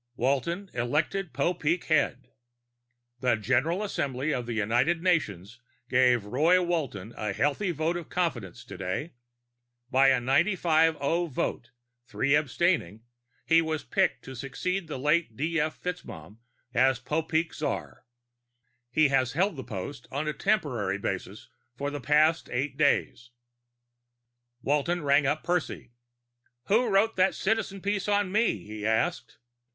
WALTON ELECTED POPEEK HEAD _The General Assembly of the United Nations gave Roy Walton a healthy vote of confidence today. By a 95 0 vote, three abstaining, he was picked to succeed the late D. F. FitzMaugham as Popeek czar. He has held the post on a temporary basis for the past eight days._ Walton rang up Percy. "Who wrote that Citizen piece on me?" he asked.